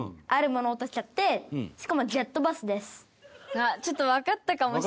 あっちょっとわかったかもしれません。